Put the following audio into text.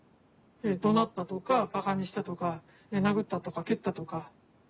怒鳴ったとかバカにしたとか殴ったとか蹴ったとか。